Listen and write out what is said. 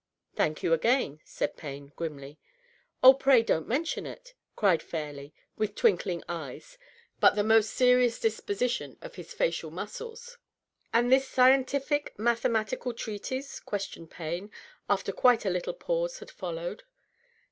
" Thank you again," said Payne grimly. " Oh, pray don't mention it," cried Fairleigh, with twinkling eyes but the most serious disposition of his facial muscles. " And this scientific, mathematical treatise ?" questioned Payne, after quite a little pause had followed.